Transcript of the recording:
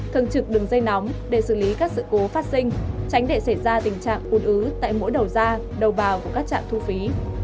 thường trực đường dây nóng để xử lý các sự cố phát sinh tránh để xảy ra tình trạng ủn ứ tại mỗi đầu ra đầu vào của các trạm thu phí